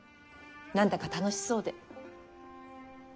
何だか楽しそうで。